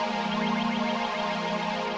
tante aku ingin pergi